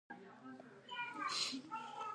اقلیم د افغانستان د طبعي سیسټم توازن ساتي.